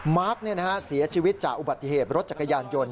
มาร์คเสียชีวิตจากอุบัติเหตุรถจักรยานยนต์